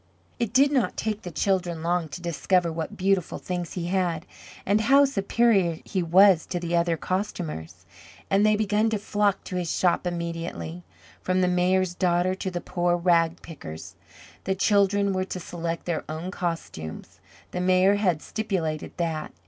It did not take the children long to discover what beautiful things he had, and how superior he was to the other costumers, and they begun to flock to his shop immediately, from the Mayor's daughter to the poor ragpicker's. The children were to select their own costumes; the Mayor had stipulated that.